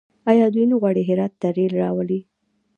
آیا دوی نه غواړي هرات ته ریل راولي؟